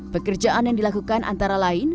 pekerjaan yang dilakukan antara lain